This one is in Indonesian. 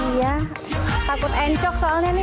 iya takut encok soalnya nih